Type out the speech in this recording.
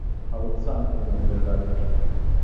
Халыҡсан уның йырҙары.